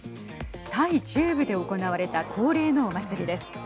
タイ中部で行われた恒例のお祭りです。